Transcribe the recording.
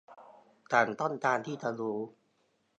ฉันต้องการที่จะรู้